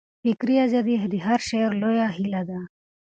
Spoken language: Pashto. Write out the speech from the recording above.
فکري ازادي د هر شاعر لویه هیله ده.